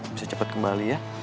bisa cepat kembali ya